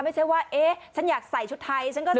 ไม่ใช่ว่าเอ๊ะฉันอยากใส่ชุดไทยฉันก็ใส่